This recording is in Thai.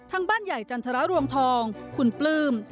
ทั้งบ้านใหญ่จรรทรรศ์รวงธองขุนปลื้ม